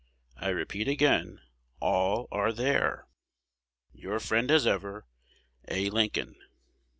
I repeat again, all are there. Your friend, as ever, A. Lincoln.